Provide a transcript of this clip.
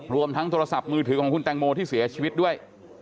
รวมทั้งโทรศัพท์มือถือของคุณแตงโมที่เสียชีวิตด้วย